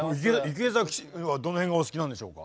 池崎はどの辺がお好きなんでしょうか？